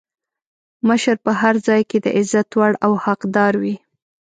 مشر په هر ځای کې د عزت وړ او حقدار وي.